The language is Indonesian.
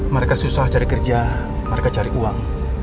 mereka susah cari kerja mereka cari uang